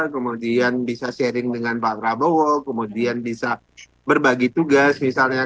kemudian bisa sharing dengan pak prabowo kemudian bisa berbagi tugas misalnya